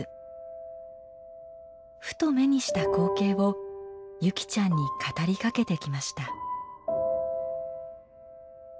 ふと目にした光景を優希ちゃんに語りかけてきました。